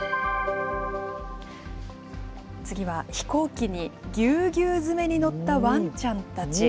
次は、飛行機にぎゅうぎゅう詰めに乗ったわんちゃんたち。